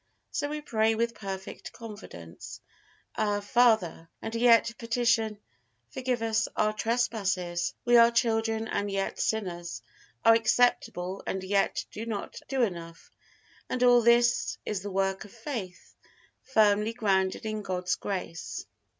So we pray with perfect confidence: "Our Father," and yet petition: "Forgive us our trespasses"; we are children and yet sinners; are acceptable and yet do not do enough; and all this is the work of faith, firmly grounded in God's grace.